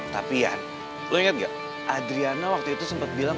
tapi ian lu inget gak adrian waktu itu sempet bilang